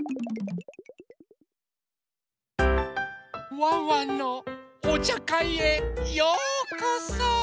ワンワンのおちゃかいへようこそ！